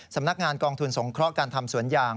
สำนักงานกองทุนสงเคราะห์การทำสวนยาง